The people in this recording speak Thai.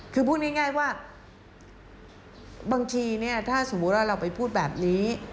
คือพูดง่ายว่าบางทีเนี่ยถ้าสมมุติว่าเราไปพูดแบบนี้